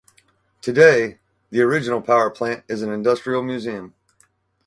Today, the original power plant is an industrial museum.